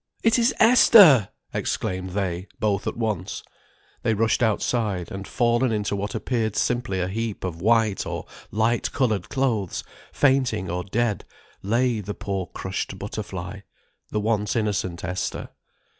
"It is Esther!" exclaimed they, both at once. They rushed outside; and, fallen into what appeared simply a heap of white or light coloured clothes, fainting or dead, lay the poor crushed Butterfly the once innocent Esther.